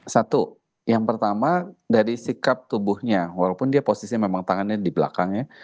satu yang pertama dari sikap tubuhnya walaupun dia posisinya memang tangannya di belakangnya